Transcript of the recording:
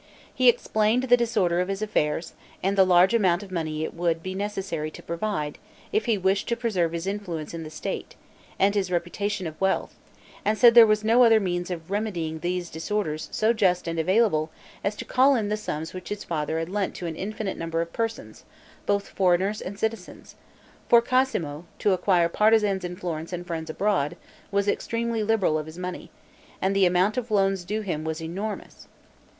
He explained the disorder of his affairs, and the large amount of money it would be necessary to provide, if he wished to preserve his influence in the state and his reputation of wealth; and said there was no other means of remedying these disorders so just and available as to call in the sums which his father had lent to an infinite number of persons, both foreigners and citizens; for Cosmo, to acquire partisans in Florence and friends abroad, was extremely liberal of his money, and the amount of loans due to him was enormous.